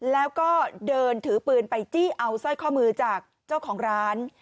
แล้วก็เดินถือปืนไปจี้เอาสร้อยข้อมือจากเจ้าของร้าน